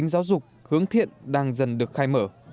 giáo dục hướng thiện đang dần được khai mở